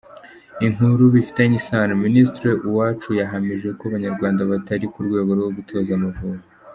Inkuru bifitanye isano: Minisitiri Uwacu yahamije ko Abanyarwanda batari ku rwego rwo gutoza Amavubi.